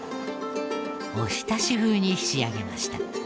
おひたし風に仕上げました。